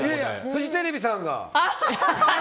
フジテレビさんが。